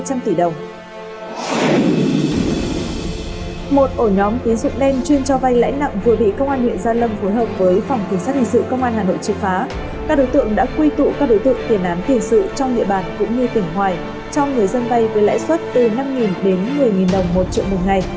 cho người dân vay với lãi suất từ năm đến một mươi đồng một triệu một ngày